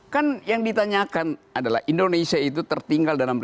kan yang ditanyakan adalah indonesia itu tertinggal dalam